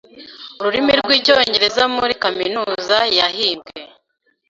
ururimi rwicyongereza muri kaminuza yahimbwe